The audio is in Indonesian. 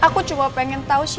aku cuma pengen tau siapa dia